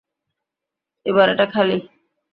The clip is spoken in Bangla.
এবার এটা খালি।